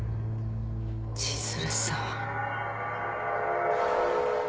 千鶴さん。